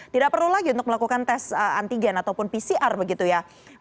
tidak perlu lagi untuk melakukan tes antigen ataupun pcr begitu ya